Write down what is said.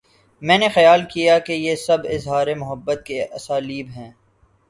میں نے خیال کیا کہ یہ سب اظہار محبت کے اسالیب ہیں۔